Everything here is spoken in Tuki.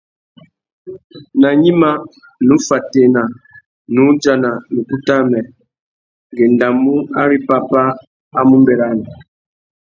Nà gnïmá, nnú fatēna, nnú udjana na ukutu amê: ngu endamú ari pápá a mú bérana.